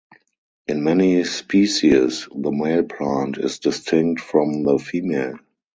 In many species, the male plant is distinct from the female.